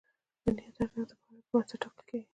د نیت ارزښت د پایلو پر بنسټ ټاکل کېږي.